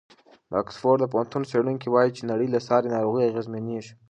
د اکسفورډ پوهنتون څېړونکي وایي چې نړۍ له ساري ناروغیو اغېزمنېږي.